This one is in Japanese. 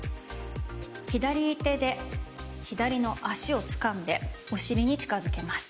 左手で左の足をつかんでお尻に近づけます。